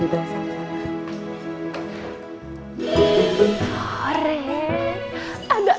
terima kasih ya pak